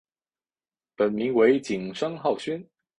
本名为景山浩宣。